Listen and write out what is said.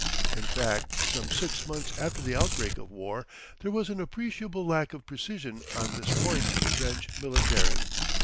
In fact some six months after the outbreak of war there was an appreciable lack of precision on this point in French military.